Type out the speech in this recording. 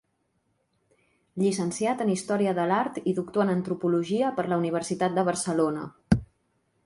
Llicenciat en Història de l'art i doctor en Antropologia per la Universitat de Barcelona.